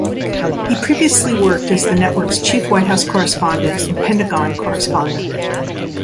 He previously worked as the network's Chief White House Correspondent and Pentagon correspondent.